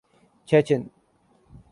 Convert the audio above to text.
چیچن